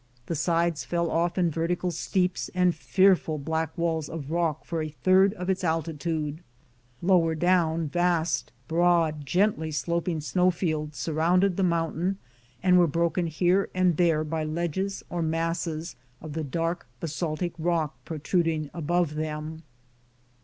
The sides fell off in vertical steeps and fearful black walls of rock for a third of its altitude ; lower down, vast, broad, gently sloping snow fields sur rounded the mountain, and were broken here and there by ledges or masses of the dark basaltic rock protrud ing above them.